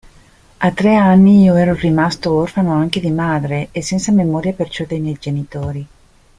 A tre anni, io ero rimasto orfano anche di madre, e senza memoria perciò de' miei genitori.